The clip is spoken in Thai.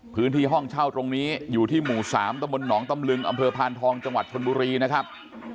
พื้นที่ห้องเช่าตรงนี้อยู่ที่หมู่๓ตะบนหนองตำลึงอำเภอพานทองจังหวัดชนบุรีนะครับ